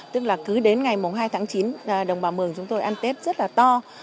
tức là cứ đến ngày mùng hai tháng chín đồng bào mường chúng tôi ăn tết rất là to